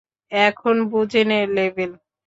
এখন বুঝে নে লেভেল।